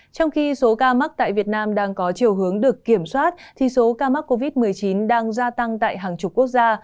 trong khi số ca mắc tại việt nam đang có chiều hướng được kiểm soát thì số ca mắc covid một mươi chín đang gia tăng tại hàng chục quốc gia